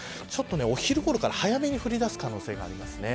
お昼ごろから早めに振り出す可能性があります。